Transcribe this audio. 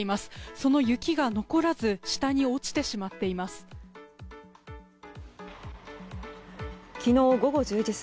その雪が残らず下に落ちてしまっています。